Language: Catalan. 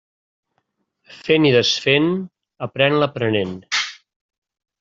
Fent i desfent aprén l'aprenent.